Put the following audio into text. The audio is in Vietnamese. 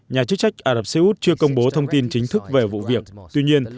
nhà chức trách ả rập xê út chưa công bố thông tin chính thức về vụ việc tuy nhiên